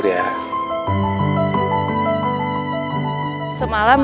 sampai jumpa lagi om